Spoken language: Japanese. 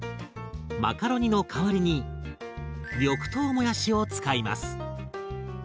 マカロニの代わりに緑豆もやしを使います。